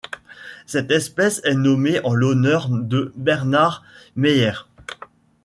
Cette espèce est nommée en l'honneur de Bernhard Meier.